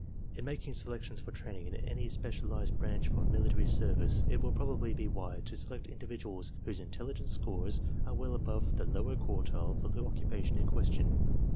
In making selections for training in any specialized branch of military service it will probably be wise to select individuals whose intelligence scores are well above the lower quartile for the occupation in question.